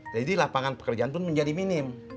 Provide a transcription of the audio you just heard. jadi lapangan pekerjaan pun menjadi minim